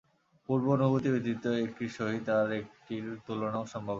পূর্ব অনুভূতি ব্যতীত একটির সহিত আর একটির তুলনাও সম্ভব নয়।